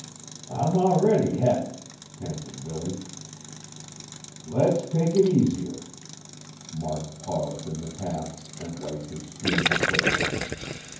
"I'm already het!" panted Billy. "Let's take it easier;" Mark paused in the path, and wiped his streaming face.